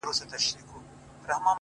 o ما د وحشت په زمانه کي زندگې کړې ده،